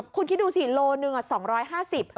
คุณคิดดูสิโลหนึ่ง๒๕๐บาท